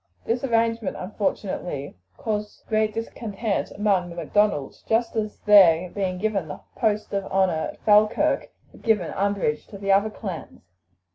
This arrangement, unfortunately, caused great discontent among the Macdonalds, just as their being given the post of honour at Falkirk had given umbrage to the other clans.